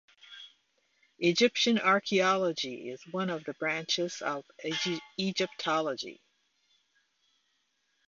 Egyptian archeology is one of the branches of Egyptology.